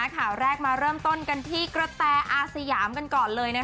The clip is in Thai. ข่าวแรกมาเริ่มต้นกันที่กระแตอาสยามกันก่อนเลย